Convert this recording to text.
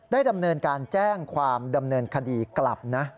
ดำเนินการแจ้งความดำเนินคดีกลับนะ